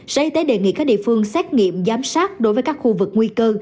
sở y tế đề nghị các địa phương xét nghiệm giám sát đối với các khu vực nguy cơ